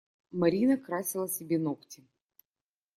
Марина красила себе ногти.